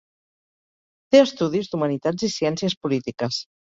Té estudis d'Humanitats i Ciències Polítiques.